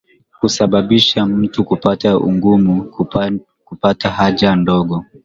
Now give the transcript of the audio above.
Husababisha mtu kupata ugumu kupata haja ndogo